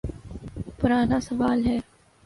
پرانا سوال ہے۔